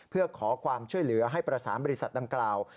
เพื่อขอความช่วยเหลือให้ประสานบริษัทดังกล่าว